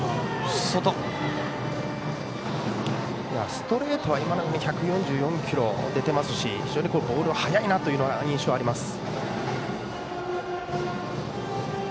ストレートは今のも１４４キロ出ていますし非常にボールが速いなという印象があります。